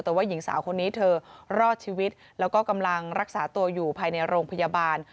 แต่ว่าหญิงสาวคนนี้เธอรอดชีวิตแล้วก็กำลังรักษาตัวอยู่ภายในโรงพยาบาล